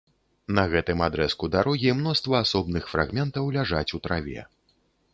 На гэтым адрэзку дарогі мноства асобных фрагментаў ляжаць у траве.